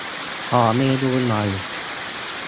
ขอเมนูหน่อย